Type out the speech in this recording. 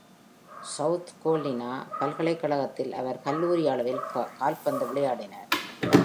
South Carolina பல்கலைக்கழகத்தில் அவர் கல்லூரி அளவில் கால்பந்து விளையாடினார்.